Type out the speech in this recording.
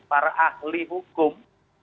para ahli hukum